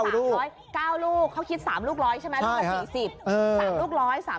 ๙ลูกเขาคิด๓ลูกร้อยใช่ไหมลูกกว่า๔๐